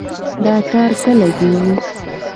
دا کار کله کېږي؟